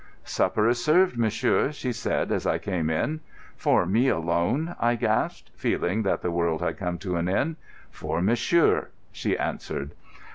"Supper is served, monsieur," she said, as I came in. "For me alone?" I gasped, feeling that the world had come to an end. "For monsieur," she answered.